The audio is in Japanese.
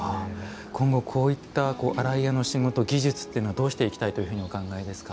今後こういった洗い屋の仕事技術というのはどうしていきたいというふうにお考えですか。